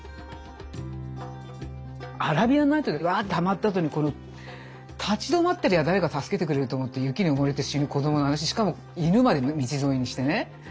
「アラビアン・ナイト」にわってハマったあとにこの立ち止まってりゃ誰か助けてくれると思って雪に埋もれて死ぬ子どもの話しかも犬まで道連れにしてね。